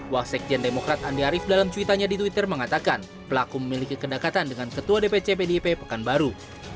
wasekjen demokrat andi arief dalam cuitannya di twitter mengatakan pelaku memiliki kedekatan dengan ketua dpc pdip pekanbaru